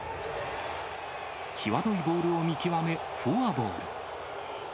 際どいボールを見極めフォアボール。